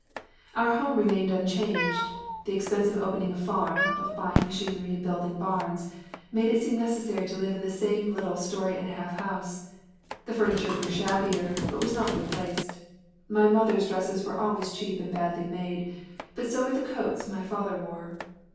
Our home remained unchanged. The expense of opening a farm, of buying machinery and building barns, made it seem necessary to live in the same little story and a half house. The furniture grew shabbier, but was not replaced. My mother’s dresses were always cheap and badly made, but so were the coats my father wore.